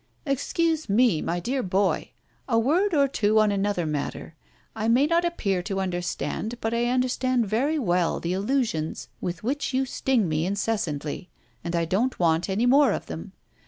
"Excuse me, my dear boy! a word or two on another matter. I may not appear to understand, but I understand very well the allusions with which you sting me incessantly, and I don't want any more of them.